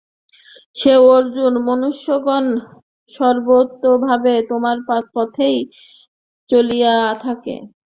হে অর্জুন, মনুষ্যগণ সর্বতোভাবে আমার পথেই চলিয়া থাকে।